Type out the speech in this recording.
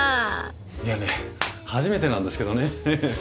いやね初めてなんですけどね。